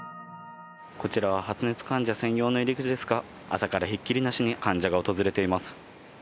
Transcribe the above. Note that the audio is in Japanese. こちらは発熱患者専用の入り口ですが朝からひっきりなしに患者が訪れています。